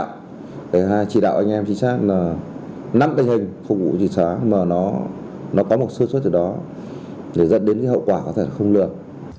để hai chỉ đạo anh em trinh sát là nắm tênh hình phục vụ trinh sát mà nó có một xuất xuất ở đó để dẫn đến hậu quả có thể không lược